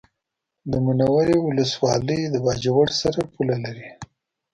د منورې ولسوالي د باجوړ سره پوله لري